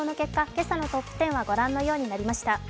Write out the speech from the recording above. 今朝のトップ１０はご覧のようになりました。